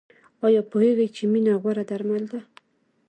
ایا پوهیږئ چې مینه غوره درمل ده؟